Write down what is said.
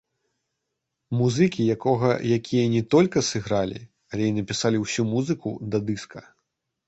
Музыкі якога якія не толькі сыгралі але і напісалі ўсю музыку да дыска.